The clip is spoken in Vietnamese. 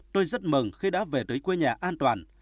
tôi rất mừng khi đã về tới quê nhà an toàn